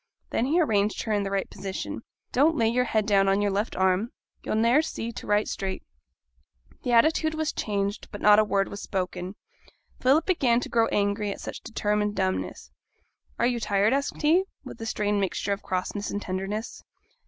Then he arranged her in the right position. 'Don't lay your head down on your left arm, you'll ne'er see to write straight.' The attitude was changed, but not a word was spoken. Philip began to grow angry at such determined dumbness. 'Are you tired?' asked he, with a strange mixture of crossness and tenderness.